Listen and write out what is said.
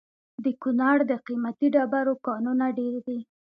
د کونړ د قیمتي ډبرو کانونه ډیر دي